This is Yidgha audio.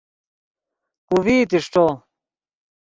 کو ڤئیت اݰٹو